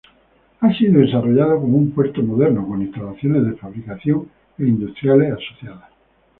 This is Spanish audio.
Ha sido desarrollado como un puerto moderno, con instalaciones de fabricación e industriales asociadas.